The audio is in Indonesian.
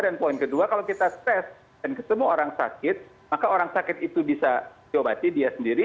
dan poin kedua kalau kita tes dan ketemu orang sakit maka orang sakit itu bisa diobati dia sendiri